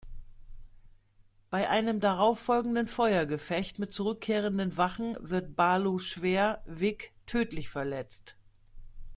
Bei einem darauffolgenden Feuergefecht mit zurückkehrenden Wachen wird Barlow schwer, Vig tödlich verletzt.